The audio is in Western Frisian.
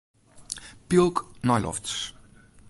Pylk nei lofts.